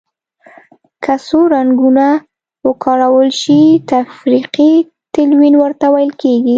که څو رنګونه وکارول شي تفریقي تلوین ورته ویل کیږي.